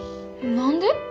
何で？